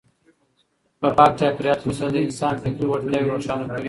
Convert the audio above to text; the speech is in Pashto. په پاک چاپیریال کې اوسېدل د انسان فکري وړتیاوې روښانه کوي.